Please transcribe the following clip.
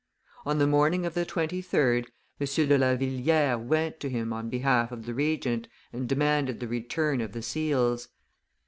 On the morning of the 23d M. de La Vrilliere went to him on behalf of the Regent and demanded the return of the seals.